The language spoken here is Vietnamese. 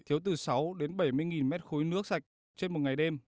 thiếu từ sáu đến bảy mươi mét khối nước sạch trên một ngày đêm